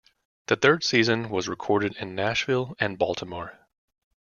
The third season was recorded in Nashville and Baltimore.